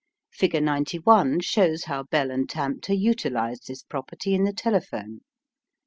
Figure 91 shows how Bell and Tamter utilised this property in the telephone.